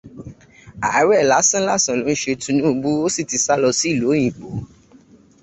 Àárẹ̀ lásánlàsàn ló ń ṣe Tinúbú, ó sì ti sálọ sí ìlú òyìnbó